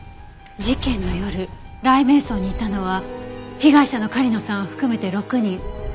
事件の夜雷冥荘にいたのは被害者の狩野さんを含めて６人。